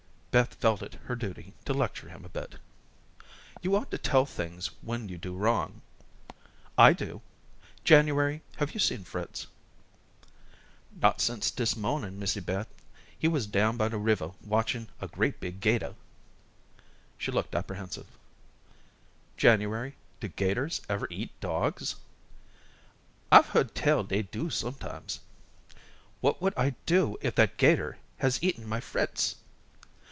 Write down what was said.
Beth felt it her duty to lecture him a bit. "You ought to tell things when you do wrong. I do. January, have you seen Fritz?" "Not since dis mornin', Missy Beth. He wuz down by the river watchin' a great big 'gator." She looked apprehensive. "January, do 'gators ever eat dogs?" "I've heard tell dey do sometimes." "What would I do if that 'gator has eaten my Fritz!"